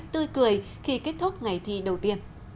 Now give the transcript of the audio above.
tươi cười khi kết thúc ngày thi